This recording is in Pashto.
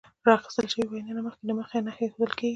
له راخیستل شوې وینا نه مخکې دغه نښه ایښودل کیږي.